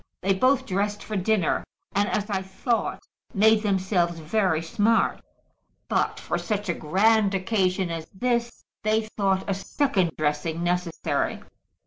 "They both dressed for dinner, and, as I thought, made themselves very smart; but for such a grand occasion as this they thought a second dressing necessary.